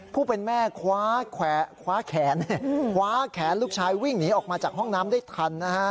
ผู้เป็นแม่คว้าแขนคว้าแขนลูกชายวิ่งหนีออกมาจากห้องน้ำได้ทันนะฮะ